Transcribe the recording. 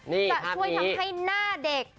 จะช่วยทำให้หน้าเด็ก